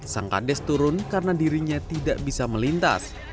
sang kades turun karena dirinya tidak bisa melintas